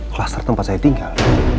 klaster tempat saya tinggal